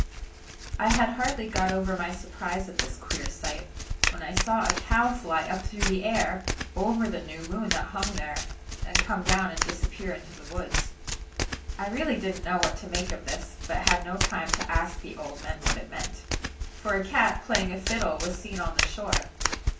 I had hardly got over my surprise at this queer sight, when I saw a cow fly up through the air, over the new moon that hung there, and come down and disappear in the woods. I really didn't know what to make of this, but had no time to ask the old men what it meant; for a cat, playing a fiddle, was seen on the shore.